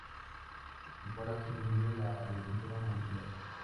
Lo cual hace posible la agricultura molecular.